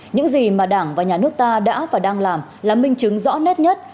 những gì mà đảng và nhà nước ta đã và đang làm là minh chứng rõ nét nhất